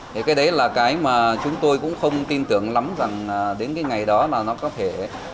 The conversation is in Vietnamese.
thì cái đấy là cái mà chúng tôi cũng không tin tưởng lắm rằng đến cái ngày đó là nó có thể